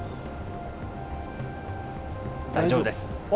大丈夫です。